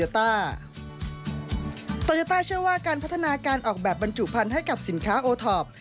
โตโยต้าเชื่อว่าการพัฒนาการออกแบบบรรจุพันธุ์ให้กับสินค้าโอทอป